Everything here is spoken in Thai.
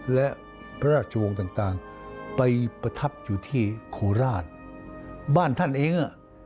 และพระราชวงศ์ต่างไปประทับอยู่ที่โคราชบ้านท่านเองอ่ะ